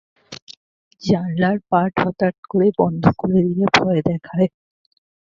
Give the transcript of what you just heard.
জানালার পাট হঠাৎ করে বন্ধ করে দিয়ে ভয় দেখায়।